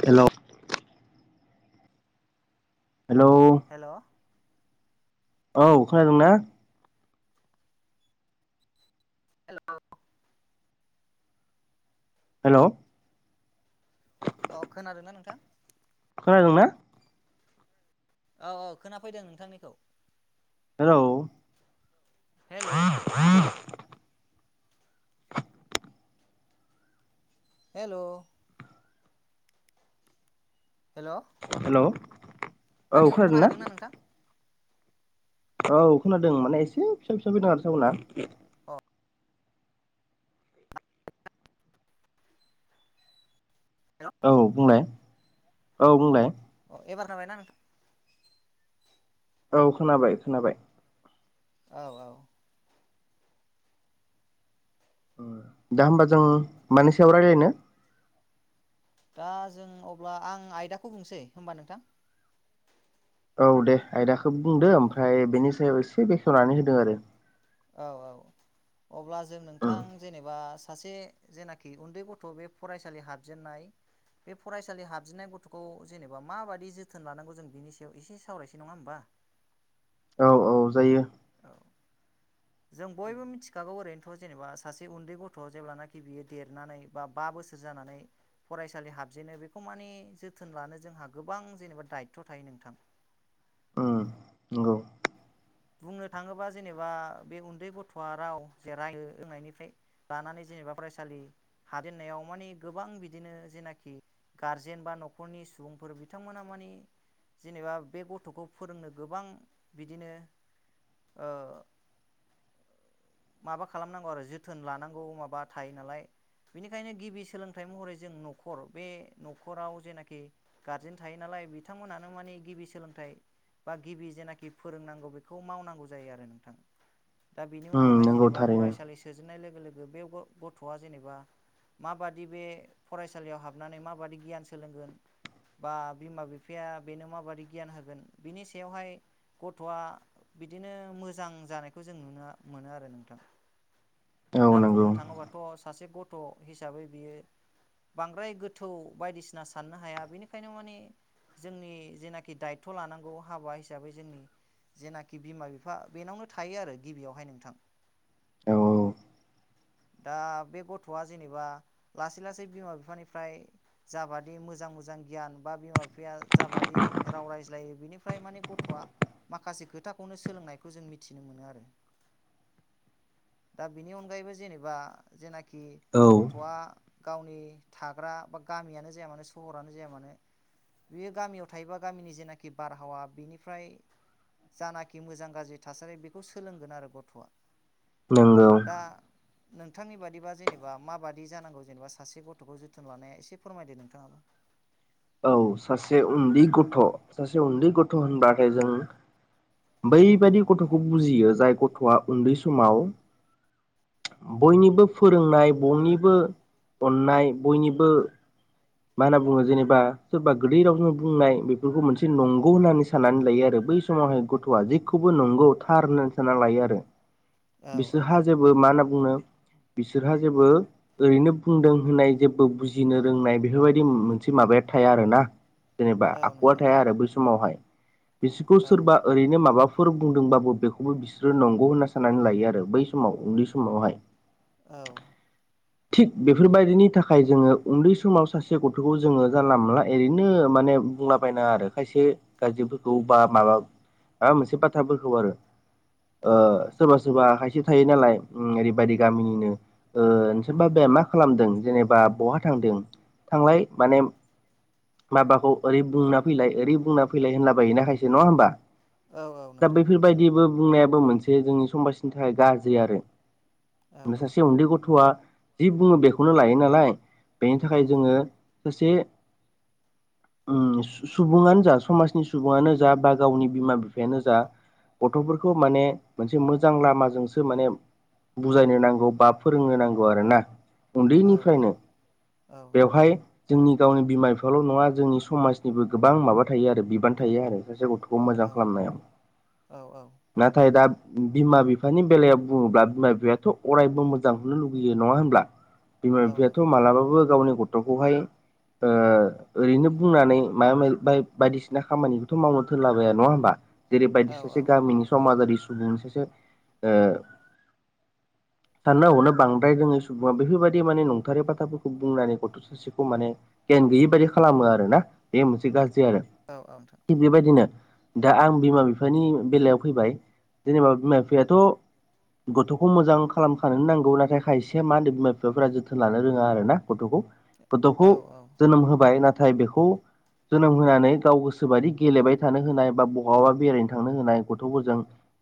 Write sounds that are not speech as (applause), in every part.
हेल' hello औ खोनादों ना? (unintelligible) हेल' अ खोनादोंना नोंथां? खोनादोंना? औ औ खोनाफैदों नोंथांनिखौ। हेल' हेल' (unintelligible) हेल' हेल' आंनिखौ खोनाहैदोंना नोंथां? औ खोनादों माने एसे फिसा फिसा फैदों आरो सावन आ अ औ बुंलाय औ बुंलाय। अ एबार जाबायना नों औ खोनाबाय खोनाबाय। औ औ। दा होमबा जों मानि सायाव रायलायनो? दा जों अब्ला आं आयदाखौ बुंसै होमबा नोंथां। औ दे आयदाखौ औ बुंदो ओमफ्राय बेनि सायाव एसे बेखेवनानै होदों आरो। औ औ अब्ला जों नोंथां जेनेबा सासे जेनाखि उन्दै गथ' बे फरायसालि हाबजेननाय बे फरायसालि हाबजेननाय गथ'खौ जेनेबा माबादि जोथोन लानांगौ जों बेनि सायाव एसे सावरायसै, नङा होमबा? औ औ जायो। औ (inaudible) जों बयबो मिथिखागौ ओरैनोथ' जेनेबा सासे उन्दै गथ' जेब्लानाखि बियो देरनानै बा बा बो बोसोर जानानै फरायसालि हाबजेनो बेखौ माने जोथोन लानो जोंहा गोबां जेनेबा दायथ' थायो। नोंथां। उम नंगौ। बुंनो थाङोबा जेनेबा बे उन्दै गथ'आ राव जे राय होनोंनायनिफ्राय लानानै जेनेबा फरायसालि हादेननायाव माने गोबां बिदिनो जेनाखि गारजेन बा न'खरनि सुबुंफोर बिथांमोना माने जेनेबा बे गथ'खौ फोरोंनो गोबां बिदिनो ओ (inaudible) माबा खालामनांगौ आरो जोथोन लानांगौ माबा थायो नालाय। बेनिखायनो गिबि सोलोंथाइ महरै जों न'खर बे न'खराव जेनाखि गार्जेन थायो नालाय। बिथांमोनानो मान गिबि सोलोंथाइ बा गिबि जेनाखि फोरोंनांगौ खौ मावनांगौ जायो आरो नोंथां। दा बेनि उम उनावहाय नंगौ जेनेबा थारैनो फरायसालि सोजेननाय लोगो लोगो बे गथ'आ जेनेबा माबादि बे फरायसालियाव हाबनानै माबादि गियान सोलोंगोन। बा बिमा बिफाया बेनो माबादि गियान होगोन, बिनि सायावहाय गथ'आ बिदिनो मोजां जानायखौ जों नुनो मोनो आरो नोंथां। औ दा नंगौ बुंनो थाङोबाथ' सासे गथ' हिसाबै बियो बांद्राय गोथौ बायदिसिना साननो हाया बेनिखायनो माने जोंनि जेनाखि दायथ' लानांगौ हाबा हिसाबै जोंनि जेनाखि बिमा बिफा बेनावनो थायो आरो गिबियावहाय नोंथां। औ दा बे गथ'आ जेनेबा लासै लासै बिमा बिफानिफ्राय जाबादि मोजां मोजां गियान बा बिमा बिफाया जाबादि राव रायज्लायो बिनिफ्राय माने गथ'आ माखासे खोथाखौनो सोलोंनायखौ जों मिथिनो मोनो आरो। (inaudible) दा बेनि अनगायैबो जेनेबा जेनाखि औ गथ'आ गावनि थाग्रा बा गामियानो जाया मानो सहरानो जाया मानो बियो गामियाव थायोबा गामिनि जेनाखि बारहावा बिनिफ्राय जानाखि मोजां गाज्रि थासारि बेखौ सोलोंगोन आरो गथ'आ। नोंगौ। दा नोंथांनि बादिबा जेनेबा माबादि जानांगौ जेनेबा सासे गथ'खौ जोथोन लानाया एसे फोरमायदो नोंथाङाबो। औ सासे उन्दै गथ' सासे उन्दै गथ' होनबाथाय जों बैबादि गथ'खौ बुजियो, जाय गथ'आ उन्दै समाव बयनिबो फोरोंनाय, बयनिबो अननाय, बयनिबो मा होनना बुङो जेनेबा सोरबा गोदै रावजों बुंनाय बेफोरखौ मोनसे नंगौ होननानै साननानै लायो आरो बै समावहाय गथ'आ। जेखौबो नंगौ थार होननानै सानना लायो आरो। औ औ बिसोरहा जेबो मा होनना बुंनो बिसोरहा जेबो ओरैनो बुंदों होननाय जेबो बुजिनो रोंनाय बेफोरबायदि मोनसे माबाया थाया आरो ना जेनेबा औ आखुवा नोंथां थाया आरो बै समावहाय। बिसोरखौ औ सोरबा ओरैनो माबाफोर बुंदोंबाबो बेखौबो बिसोरो नंगौ होनना सानो। साननानै लायो आरो बै समाव उन्दै समावहाय औ थिग बेफोरबायदिनि थाखाय जोंङो उन्दै समाव सासे गथ'खौ जोंङो जानला मोनानला ओरैनो माने माने बुंलाबायनाङा आरो खायसे गाज्रिफोरखौ बा माबा मोनसे बाथ्राफोरखौ आरो औ औ बा खायसे थायो नालाय ओरैबायदि गामिनिनो नोंसोर बाबाया मा खालामदों जेनेबा बहा थांदों थांलाय माने माबाखौ ओरै बुंना फैलाय ओरै बुंना फैलाय होनलाबाय हैनोखायसो नङा होनबा? औ औ दा नोंथां बैफोरबायदिबो बुंनायाबो मोनसे जोंनि समाजनि थाखाय गाज्रि आरो औ फ्राय सासे उन्दै गथ'आ जि बुंङो बेखौनो लायो नालाय बेनि औ थाखाय जोंङो ससे सुबुङांनो जा समाजनि सुबुंङानो जा बा गावनि बिमा बिफायानो जा गथ'फोरखौ माने से मोजां लामाजोंसो माने बुजायनो नांगौ बा फोरोंनो नांगौ आरो ना? औ उन्दैनिफ्रायनो औ बेवहाय जोंनि गावनि बिमा बिफाल' नङा जोंनि समाजनिबो गोबां माबा थायो आरो बिबान थायो आरो सासे गथ'खौ मोजां खालामनायाव औ नाथाय दा बिमा बिफानि बेलायाव बुंङोब्ला बिमा बिफायाथ' अरायबो मोजां होनो लुगैयो नङा होनब्ला? बिमा औ बिफायाथ' नोंथां मालाबाबो गावनि गथ'खौहाय ओ ओरैनो बुंनानै मायै माब बाय बायदिसिना खामानिखौथ' मावनो थोनलाबाया नङा होमबा? जेरैबायायदि औ सासे औ गामिनि समाजारि सुबुंनि सासे सानना हनो बांद्राय रोङै सुबुंङा बेफोरबायदि माने नंथारै बाथाफोरखौ बुंनानै गथ' सासेखौ माने गियान गैयि बाददि खालामो आरो ना बेयो मोनसे गाज्रि आरो औ औ नोंथां थिग बेबायदिनो दा आं बिमा बिफानि बेलायाव फैबाय। जेनेबा बिमा बिफायाथ' गथ'खौ मोजां खालामखानोनो नांगौ नाथाय खायसे मा होनदो बिमा-बिफाफोरा जोथोन लानो रोङां आरो ना गथ'खौ गथ'खौ औ औ जोनोम होबाय नाथाय बेखौ जोनोम होनानै गाव गोसोबायदि गेलेबाय थानो होनाय बा बहाबा बेरायनो थांनो होनाय गथ'फोरजों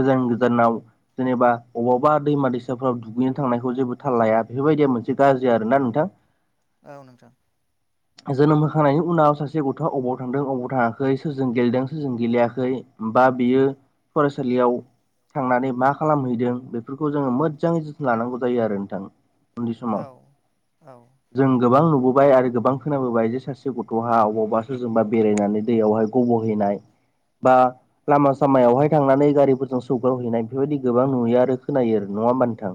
गोजान गोजानाव जेनेबा अबावबा दैमा-दैसाफ्राव दुगैनो थांनायखौ जेबो थाल लाया बेफोरबायदि मोनसे गाज्रि आरोना नोंथां। औ नोंथां जोनोम होखांनायनि उनाव सासे गथ'आ बबाव थांदों अबाव थाङाखै सोरजों गेलेदों सोरजों गेलेयाखै बा बियो फरायसालियाव थांनानै मा खालामहैदों बेफोरखौ जोंङो मोजाङै लानांगौ जायो आरो नोंथां। उननि औ समाव औ जों गोबां नु बोबाय आरो गोबां खोनाबोबाय जे सासे गथ'हा अबावब सोरो जोंबा बेरायनानै दैयावहाय गब'हैनाय बा लामा सामायावहाय थांनानै गारिफोरजों सौग्रावहैनाय बेफोरबायदि गोबां नुयो आरो खोनायो आरो नङा होमबा नोंथां।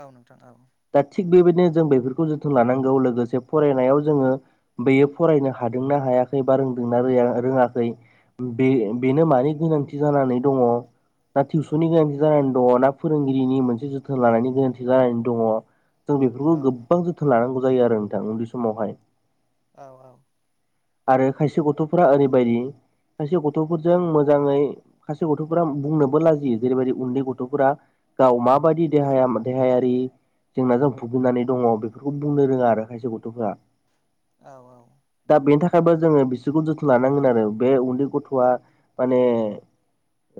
औ नोंथां औ दा थिग बेबायदिनो जों बेफोरखौ जोथोन लानांगौ लोगोसे फरायनायाव जोंङो बेयो फरायनो हादोंना हाया खै बा रोंदोंना रों रोङाखै। बे बेनो मानि गोनांथि जानानै दंङो ना टिउसननि गोनांथि जानानै दङो ना फोरोंगिरिनि मोनसे जोथोन लानायनि गोरोन्थि जानानै दङो। जों बेफोरखौ औ गोबां जोथोन लानांगौ जायो आरो नोंथां उन्दै समावहाय औ औ आरो खायसे गथ'फोरारा ओरैबायदि खायसे गथ'फोरजों मोजांङै खायसे गथ'फोरा बुंनो लाजियो जेरैबायदि उन्दै गथ'फोरा गाव माबायदि देहाया देहायारि जेंनाजों भुफिननानै दंङो बेफोरखौ बुंनो रोङां आरो खायसे गथ'फोरा औ औ (unintelligible) बो जोङो बिसोरखौ जोथोन लानांगोन आरो बे उन्दै गथ'आ माने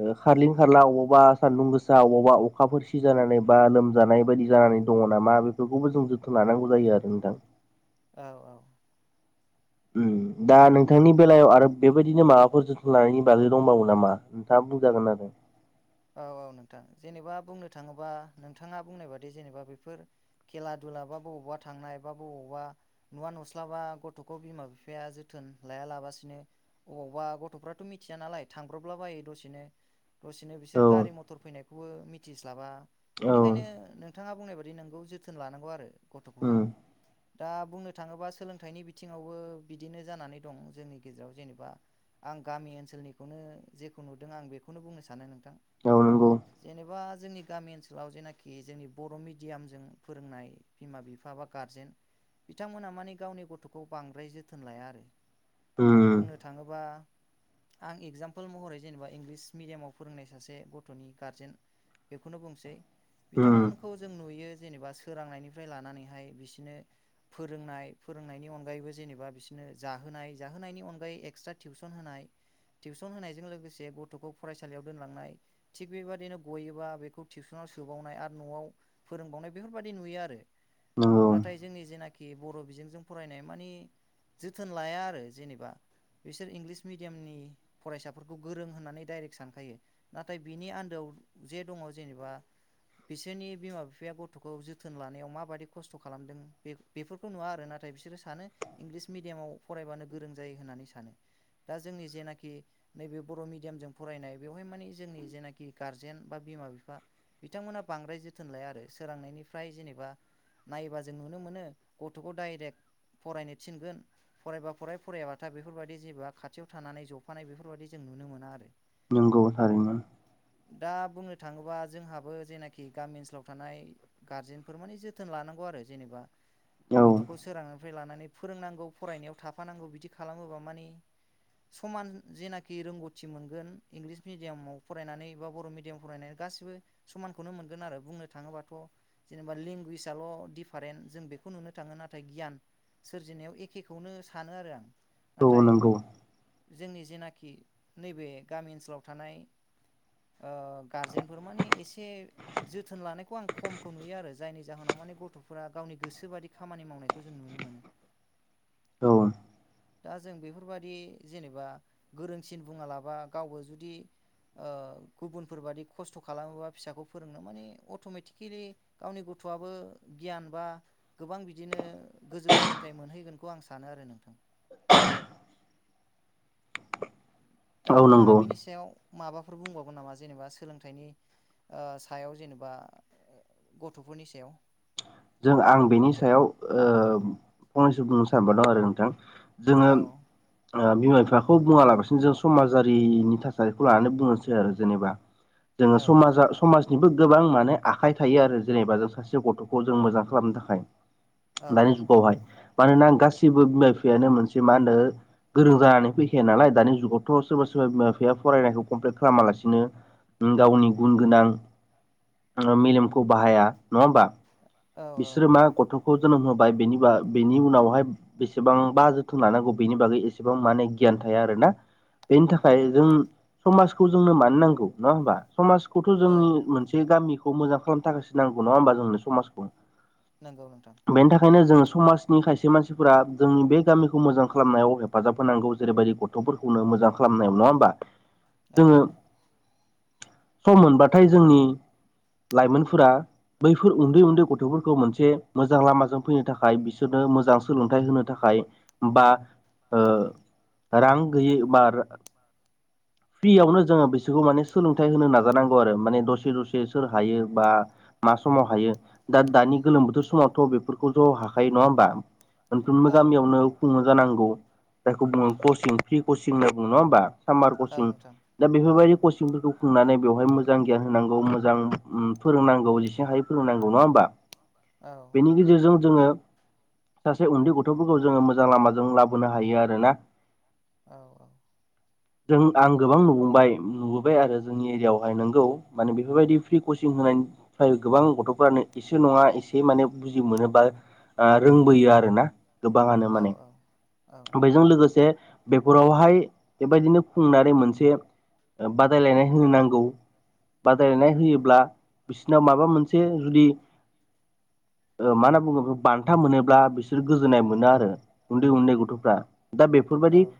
ओ खारलिं खारला अबावबा सान्दुं गोसा अबावबा अखाफोर सि जानानै बा लोमजानाय बायदि जानानै दङ नामा बे खौबो जों जोथोन लानांगौ जायो आरो नोंथां। औ औ ओम दा नोंथांनि नंगौ बेलायाव आरो बेबाय दिनो माबाफोर जोथोन लानायनि बागै दंबावो नामा नोंथाङा बुंजागोन आरो औ औ नोंथां जेनेबा बुंनो थाङोबा नोंथाङा बुंनाय बादि जेनेबा बेफोर खेला दु लाबा बबावबा थांनाय बा बबावबा नुवा नुस्लाबा गथ'खौ बिमा बिफाया जोथोन लाया लागासिनो अबावबा गथ'फोरा मिथिया नालाय थांब्रबला बायो दसेनो दसेनो बिसोर औ गारि-मथर फैनायखौबो मिथिस्लाबा औ बिनिखायनो उम नोंथाङा बुंनाय बादि नोंगौ जोथोन लानांगौ आरो गथ'खौहाय दा बुंनो थाङोबा सोलोंथाइनि बिथिङावबो बिदिनो जानानै दं जोंनि गेजेराव जेनेबा आं गामि ओनसोलनिखौनो जेखौ नुदों आं बेखौनो बुंनो सानो नोंथां। औ नांगौ जेनेबा जोंनि गामि ओनसोलाव जेनाखि जोंनि बर' मिडियामजों फोरोंनाय बिमा-बिफा एबा गारजेन बिथांमोना मानि गावनि गथ'खौ बांद्राय जोथोन लाया आरो उम बुंनो थाङोबा आं एगजामपोल महरै जेनेबा इंलिस मिडियामाव फोरोंनाय सासे गथ'नि गारजेन बेखौनो बुंसै उम बिथांमोनखौ जों नुयो जेनेबा सोरांनायनिफ्राय लानानैहाय बिसोरनो फोरोंनाय फोरोंनायनि अनगायैबो जेनेबा बिसोरनो जाहोनाय जाहोनायनि अनगायै एक्सट्रा टिउसन होनाय। टिउसन होनायजों लोगोसे गथ'खौ फरायसालियाव दोनलांनाय थिग बेबदिनो गयोबा बेखौ टिउसनाव सोबावनाय आरो न'आव फोरोंबावनाय बेफोरबायाददि नुयो आरो नंगौ नाथाय जोंनि जेनाखि बर' बिजोंजों फरायनाय मानि जोथोन लाया आरो जेनेबा बिसोर इंलिस मिडियामनि फरायसाफोरखौ गोरों होननानै डाइरेक्ट सानखायो। नाथाय बिनि आन्दोआव जे दङ जेनेबा बिसोरनि बिमा बिफाया गथखौ जोथोन लानायाव माबायदि खस्थ खालामदों बे बेफोरखौ नुवा आरोना नाथाय बिसोरो सानो इंलिस मिडियामाव फरायबानो गोरों जायो होननानै सानो। दा जोंनि जेनाखि नैबे बर मिडियामजों फरायनाय बेवहाय माने जोंनि जेनाखि गारजेन बा बिमा बिफा बिथांमोना बांद्राय जोथोन लाया आरो सोरांनायनिफ्राय ज बा नायोबा जों नुनो मोनो गथखौ डाइरेक्ट फरायनो थिनगोन फरायबा फराय फरायाबाथा बेफोरबायदि जेबो खाथियाव थानानै जफानाय बेफोरबायदि जों नुनो मोना आरो नोंगौ था दा बुंनो थाङोबा जोंहाबो जेनाखि गामि ओनसोलाव थानाय गार्जेनफोर माने जोथोन लानांगौ आरो जेनेबा औ गथखौ सोरांनायनिफ्राय लानानै फोरोंनांगौ फरायनायाव थाफानांगौ बिदि खालामोबा माने समान जेनाखि रोंगौथि मोनगोन इंलिस मिडियामाव फरायनानै बा बर मिडियाम फरायनानै गासिबो समानखौनो मोनगोन आरो बुंनो थाङोबाथ जेनेबा लेंगुवेजआल डिफारेन्ट जों बेखौ नुनो थाङो नाथाय गियान सोरजिनायाव एखेखौनो सानो आरो आं औ नाथाय नोंगौ जोंनि जेनाखि नैबे गामि ओनसोलाव थानाय ओ गारजेन फोर माने एसे जोथोन लानायखौ आं खमखौ नुयो आरो जायनि जाहोनाव माने गथफोरा गावनि गोसोबादि खामानि मावनायखौ जों नुनो मोनो। औ दा जों बेफोरबादि जेनेबा गोरोंसिन बुङा लाबा गावबो जुदि ओ गुबुनफोरबादि खस्थ खालामोबा फिसाखौ फोरोंनो माने अटमेटिकेलि गावनि गथ थआबो गियान बा गोबां बिदिनो गोजौ सोलोंथाइ मोनहैगोनखौ आं सानो आरो नोंथां। दा औ नोंथाङा नंगौ बिनि सायाव माबाफोर बुंबावगोन नामा जेनेबा सोलोंथाइनि आ सायाव जेनेबा गथफोरनि सायाव जों आं बेनि सायाव ओ फंनैसो बुंनो सानबावदों आरो नोंथां जोङो औ ओ बिमा बिफाखौ बुङालाबासिनो जों समाज जारिनि थाखाय बेखौ लानानै बुंनोसै आरो जेनेबा औ जोङो समाजा समाज निबो गोबां माने आखाइ थायो आरो जेनेबा जों सासे गथखौ जों मोजां खालामनो थाखाय औ दानि जुगावहाय मानोना गासिबो बिमा बिफायानो मोनसे मा होनो गोरों जानानै फैखाया नालाय दानि जुगावथ सोरबा सोरबा बिमा बिफाया फरायनायखौ कमप्लेट खालामालासिनो गावनि गुन गोनां ओ मेलेमखौ बाहाया नङा होमबा? औ बिसोरो मा गथ खौ जोनोम होबाय बेनि बा बेनि उनावहाय बेसेबांबा जोथोन लानांगौ बेनि बागै एसेबां माने गि यान थाया आरोना बेनि थाखाय जों समाजखौ जोंनो मानो नांगौ नङा होमबा? समाजखौथ औ जोंनि मोनसे गामिखौ मोजां खालामनो थाखायसो नांगौ नङा होमबा जोंनो समाजखौ नंगौ नोंथां बेनि थाखायनो जों समाजनि खायसे मानसिफोरा जोंनि बे गामिखौ मोजां खालामनायाव हेफाजाब होनांगौ जेरैबायदि गथफोरखौनो मोजां खालामनायाव नङा होमबा औ जोङो सम मोनबाथाय जोंनि लाइमोनफोरा बैफोर उन्दै उन्दै गथफोरखौ मोनसे मोजां लामाजों फैनो थाखाय बिसोरनो मोजां सोलोंथाइ होनो थाखाय बा ओ रां गैयै बा फ्रियावनो जोङो बिसोरखौ माने सोलोंथाइ होनो नाजानांगौ आरो माने दसे दसे सोर हायो बा माख समाव हायो दा दानि गोलोम बोथोर समावथ बेफोरखौ दं हाखायो नङा होमबा? मोनफ्रोमबो औ औ गामियावनो खुङो जानांगौ जायखौ बुङो कचिं फ्रि कचिं होनना बुङो नङा होमबा? सामार औ कचिं नोंथां दा औ बेफोरबायदि कचिंफोरखौ खुंनानै बेवहाय मोजां गियान होनांगौ मोजां फोरोंनांगौ जेसे हायो फोरोंनांगौ नङा होमबा औ बेनि गेजेरजों जोङो सासे उन्दै गथ'फोरखौ जोङो मोजां लामाजों लाबोनो हायो आरोना औ औ जों आं गोबां नुबोबाय नुबो बाय आरो जोंनि एरियायावहाय नोंगौ माने बेफोरबायदि फ्रि कचिं होनायफ्राय गोबां गथ'फोरानो इसे नङा इसे माने बुजि मोनो बा रोंबोयो आरो ना गोबाङानो माने औ बेजों लोगोसे बेफोरावहाय बेबायदिनो खुंनानै मोनसे बादायलायनाय होनो नांगौ बादायलायनाय होयोब्ला बिसोरनाव माबा मोनसे जुदि मा होनना बुङो बान्था मोनोब्ला बिसोर गोजोननाय मोनो आरो उन्दै उन्दै गथ'फ्रा दा बेफोरबायदि औ